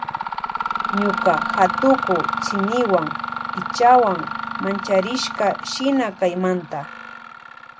Ñuka hatuku tsiniwan pichawan mancharishka shina kaymanta.